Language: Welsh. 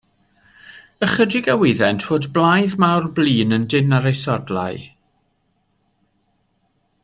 Ychydig a wyddent fod blaidd mawr blin yn dynn ar eu sodlau.